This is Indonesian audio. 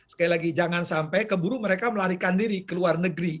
sekali lagi jangan sampai keburu mereka melarikan diri ke luar negeri